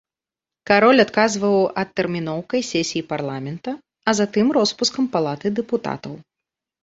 Кароль адказваў адтэрміноўкай сесіі парламента, а затым роспускам палаты дэпутатаў.